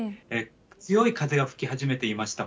強い風が吹き始めていました、